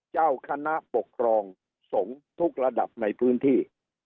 เจ้าคณะปกครองสงฆ์ทุกระดับในพื้นที่